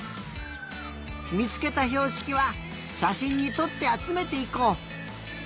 みつけたひょうしきはしゃしんにとってあつめていこう。